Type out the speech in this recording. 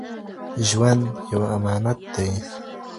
ژوند یو امانت دی.